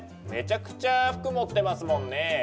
めちゃくちゃ服持ってますもんね。